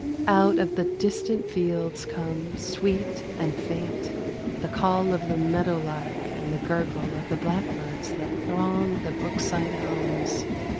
Out of the distant fields come, sweet and faint, the call of the meadowlark and the gurgle of the blackbirds that throng the brookside elms.